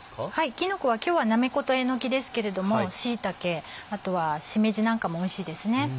きのこは今日はなめことえのきですけれども椎茸あとはしめじなんかもおいしいですね。